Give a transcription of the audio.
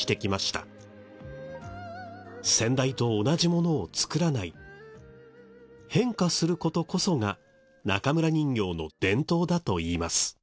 先代と同じものを作らない変化することこそが中村人形の伝統だといいます。